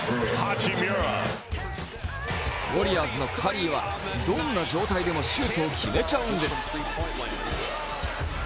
ウォリアーズのカリーはどんな状態でもシュートを決めちゃうんです。